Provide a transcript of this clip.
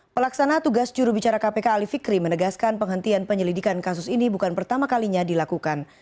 pelaksana tugas jurubicara kpk ali fikri menegaskan penghentian penyelidikan kasus ini bukan pertama kalinya dilakukan